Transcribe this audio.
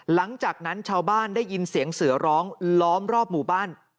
หลังจากนั้นชาวบ้านได้ยินเสียงเสือร้องล้อมรอบหมู่บ้าน